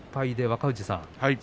若藤さん